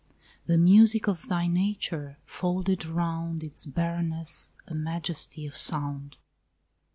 The music of thy nature folded round Its barrenness a majesty of sound.